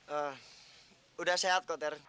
eh udah sehat kok ter